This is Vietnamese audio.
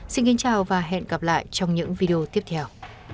xin kính chào và hẹn gặp lại trong những video tiếp theo